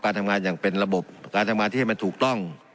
ทำงานอย่างเป็นระบบการทำงานที่ให้มันถูกต้อง